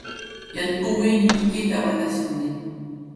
jan powe li ike tawa nasin mi.